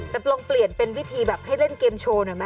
แต่ลองเปลี่ยนเป็นวิธีแบบให้เล่นเกมโชว์หน่อยไหม